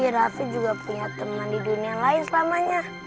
raffi juga punya teman di dunia lain selamanya